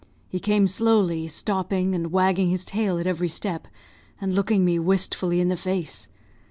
He came slowly, stopping and wagging his tail at every step, and looking me wistfully in the face.